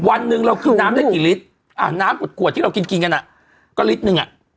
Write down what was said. วันนึงเรากินน้ำได้กี่ลิตรน้ำกว่าขวดที่เรากินกินกันก็ลิตรหนึ่ง